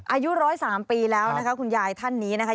อายุ๑๐๓ปีแล้วนะคะคุณยายท่านนี้นะคะ